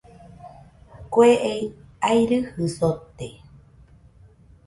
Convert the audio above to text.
Kue ei airɨjɨ sote.